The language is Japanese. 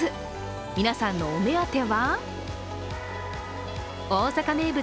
皆さんのお目当ては大阪名物！